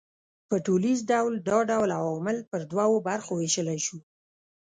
په ټوليز ډول دا ډول عوامل پر دوو برخو وېشلای سو